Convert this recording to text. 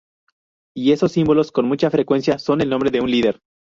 Y esos símbolos, con mucha frecuencia, son el nombre de un líder.